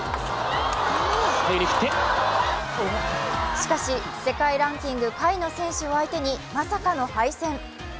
しかし、世界ランキング下位の選手を相手にまさかの敗戦。